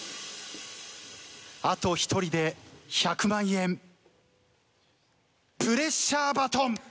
あと１人で１００万円プレッシャーバトン。